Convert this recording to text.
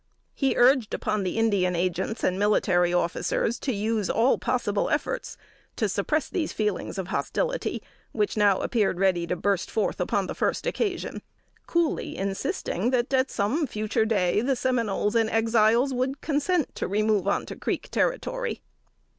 He urged upon the Indian agents and military officers to use all possible efforts to suppress these feelings of hostility, which now appeared ready to burst forth upon the first occasion; coolly insisting that, at some future day, the Seminoles and Exiles would consent to remove on to the Creek territory.